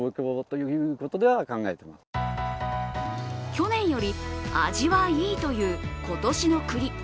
去年より味はいいという今年の栗。